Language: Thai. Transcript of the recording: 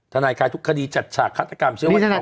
ท่านายกลายทุกคดีจัดฉากคาตรกรรม